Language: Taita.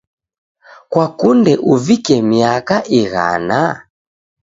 Kwakunde uvike miaka ighana?